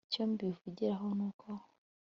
icyo mbivugiraho nuko